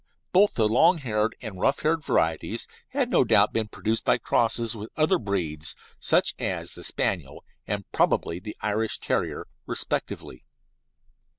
Both the long haired and rough haired varieties have no doubt been produced by crosses with other breeds, such as the Spaniel and probably the Irish Terrier, respectively.